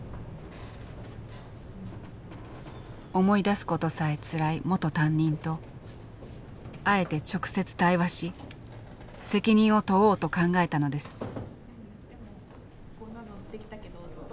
思い出すことさえつらい元担任とあえて直接対話し責任を問おうと考えたのです。